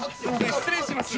失礼します。